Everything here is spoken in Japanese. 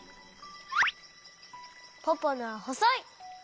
ポポのはほそい。